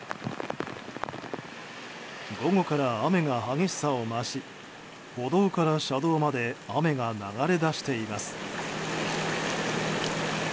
午後から雨が激しさを増し歩道から車道まで雨が流れ出しています。